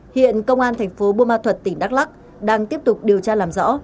hiện công an thành phố bumma thuật tỉnh đắk lắc đang tiếp tục điều tra làm rõ